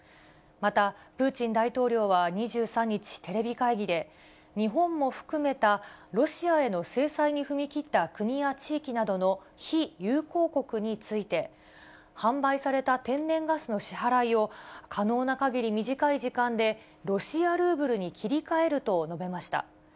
またプーチン大統領は２３日、テレビ会議で、日本も含めたロシアへの制裁に踏み切った国や地域などの非友好国について、販売された天然ガスの支払いを可能なかぎり短い時間で、ロシアルーブルに切り替えると述べました。